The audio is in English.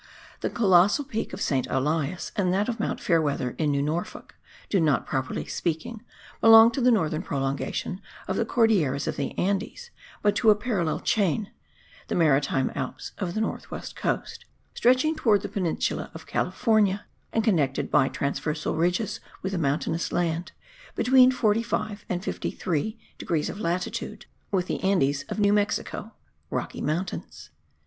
The colossal peak of Saint Elias and that of Mount Fairweather, in New Norfolk, do not, properly speaking, belong to the northern prolongation of the Cordilleras of the Andes, but to a parallel chain (the maritime Alps of the north west coast), stretching towards the peninsula of California, and connected by transversal ridges with a mountainous land, between 45 and 53 degrees of latitude, with the Andes of New Mexico (Rocky Mountains).